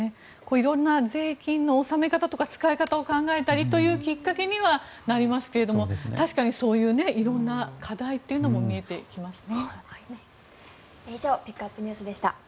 色んな税金の納め方とか使い方を考えるきっかけになりますけれども確かにそういう色々な課題も見えてきますね。